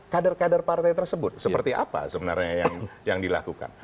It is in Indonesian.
kader kader partai tersebut seperti apa sebenarnya yang dilakukan